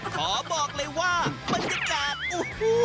ขอบอกเลยว่ามันจะ้เกาะ